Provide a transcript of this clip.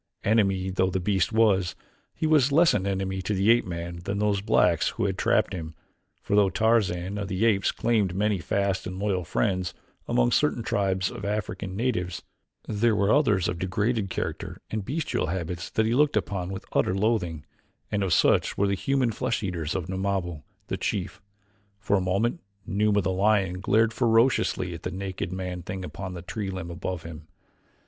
Enemy though the beast was, he was less an enemy to the ape man than those blacks who had trapped him, for though Tarzan of the Apes claimed many fast and loyal friends among certain tribes of African natives, there were others of degraded character and bestial habits that he looked upon with utter loathing, and of such were the human flesh eaters of Numabo the chief. For a moment Numa, the lion, glared ferociously at the naked man thing upon the tree limb above him.